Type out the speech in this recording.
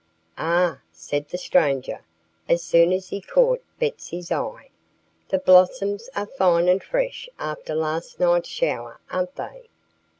"Ah!" said the stranger, as soon as he caught Betsy's eye. "The blossoms are fine and fresh after last night's shower, aren't they?"